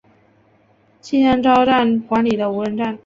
气仙沼站管理的无人站。